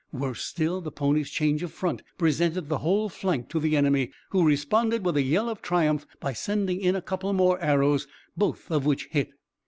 Worse still, the pony's change of front presented the whole flank to the enemy, who responded with a yell of triumph by sending in a couple more arrows, both of which hit.